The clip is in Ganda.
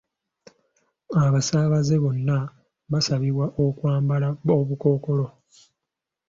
Abasaabaze bonna basabibwa okwambala obukookolo.